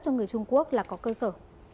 cho người trung quốc là có cơ sở